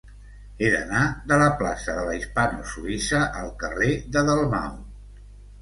He d'anar de la plaça de la Hispano Suïssa al carrer de Dalmau.